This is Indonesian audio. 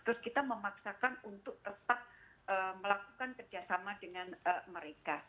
terus kita memaksakan untuk tetap melakukan kerjasama dengan mereka